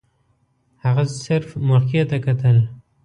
هغه صرف موقع ته کتل.